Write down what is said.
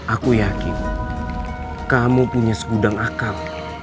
aku yakin kamu punya segudang akar